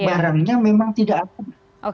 artinya memang tidak ada